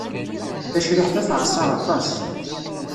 Tacriḥt-a teɛṣa aṭas.